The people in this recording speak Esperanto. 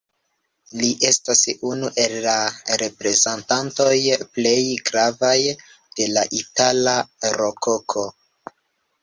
Li estas unu el la reprezentantoj plej gravaj de la itala Rokoko.